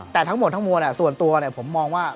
แต่ทั้งหมดส่วนตัวผมมองว่า